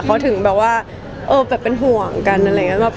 เขาถึงแบบว่าเป็นห่วงกันอะไรอย่างเงี้ย